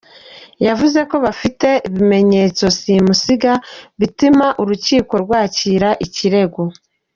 Yavuze ko bafite ibimenyetso simusiga bituma urukiko rwakira ikirego.